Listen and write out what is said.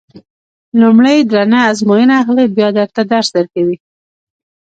لومړی درنه ازموینه اخلي بیا درته درس درکوي.